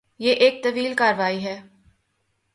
یہ ایک طویل کارروائی ہے۔